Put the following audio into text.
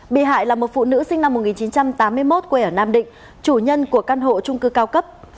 bị hại là một phụ nữ sinh năm một nghìn chín trăm tám mươi một quê ở nam định chủ nhân của căn hộ trung cư cao cấp